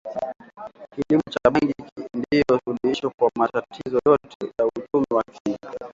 kilimo cha bangi ndio suluhisho kwa matatizo yote ya uchumi wa Kenya